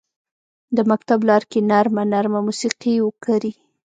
د مکتب لارکې نرمه، نرمه موسیقي وکري